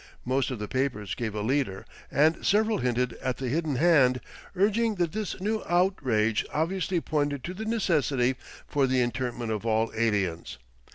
Most of the papers gave a leader, and several hinted at the hidden hand, urging that this new outrage obviously pointed to the necessity for the internment of all aliens.